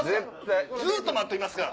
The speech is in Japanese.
ずっと待っときますから。